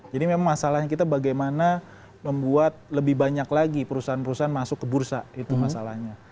jadi memang masalahnya kita bagaimana membuat lebih banyak lagi perusahaan perusahaan masuk ke bursa itu masalahnya